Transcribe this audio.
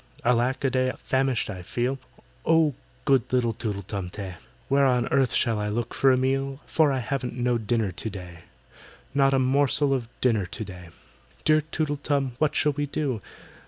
"ALACK A DEY, famished I feel; Oh, good little TOOTLE TUM TEH, Where on earth shall I look for a meal? For I haven't no dinner to day!— Not a morsel of dinner to day! "Dear TOOTLE TUM, what shall we do?